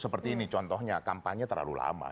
seperti ini contohnya kampanye terlalu lama